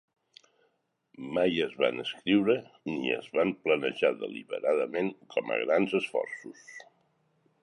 Mai es van escriure; ni es van planejar deliberadament com a grans esforços.